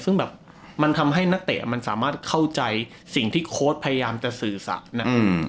ซึ่งแบบมันทำให้นักเตะมันสามารถเข้าใจสิ่งที่โค้ดพยายามจะสื่อสารนะ